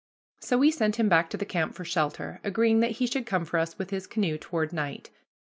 So we sent him back to the camp for shelter, agreeing that he should come for us with his canoe toward night.